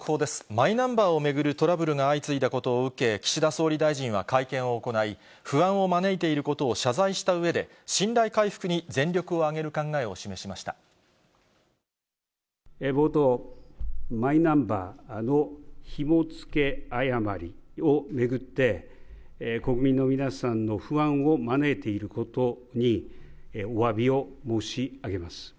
マイナンバーを巡るトラブルが相次いだことを受け、岸田総理大臣は会見を行い、不安を招いていることを謝罪したうえで、信頼回復に全力を挙げる冒頭、マイナンバーのひも付け誤りを巡って、国民の皆さんの不安を招いていることに、おわびを申し上げます。